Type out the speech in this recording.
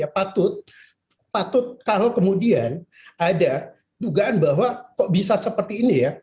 patut patut kalau kemudian ada dugaan bahwa kok bisa seperti ini ya